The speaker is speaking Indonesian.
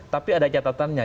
tapi ada catatannya